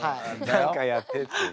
何かやってっていう。